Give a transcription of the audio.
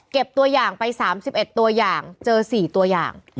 ตัวอย่างไป๓๑ตัวอย่างเจอ๔ตัวอย่าง